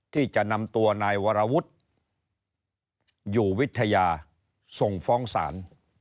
ที่จะนำตัวนายวรวุฒิอยู่วิทยาส่งฟ้องศาล